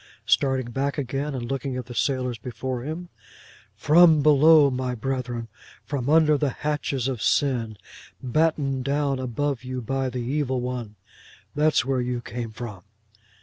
'—starting back again, and looking at the sailors before him: 'From below, my brethren. From under the hatches of sin, battened down above you by the evil one. That's where you came from!